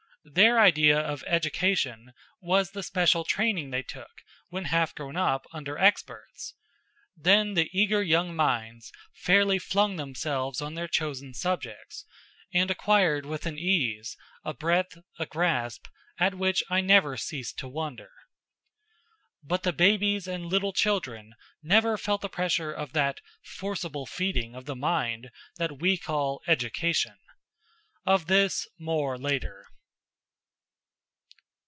Their idea of education was the special training they took, when half grown up, under experts. Then the eager young minds fairly flung themselves on their chosen subjects, and acquired with an ease, a breadth, a grasp, at which I never ceased to wonder. But the babies and little children never felt the pressure of that "forcible feeding" of the mind that we call "education." Of this, more later.